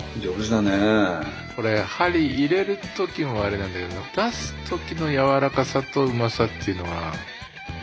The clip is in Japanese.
これ針を入れる時もあれだけど出す時の柔らかさとうまさというのは。